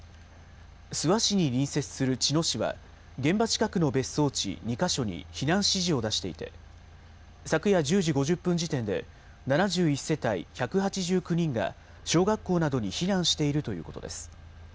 諏訪市に隣接する茅野市は、現場近くの別荘地２か所に避難指示を出していて、昨夜１０時５０分時点で７１世帯１８９人が、小学校などに避難しているということです。